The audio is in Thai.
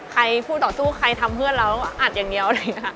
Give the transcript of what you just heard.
ใครผู้ต่อสู้ใครทำเพื่อนเราอาจอย่างเดียวเลยค่ะ